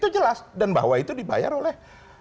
itu jelas dan bahwa itu dibayar oleh